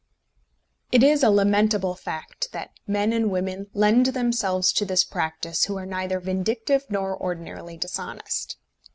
It is a lamentable fact that men and women lend themselves to this practice who are neither vindictive nor ordinarily dishonest.